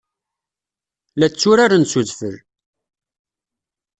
La tturaren s udfel.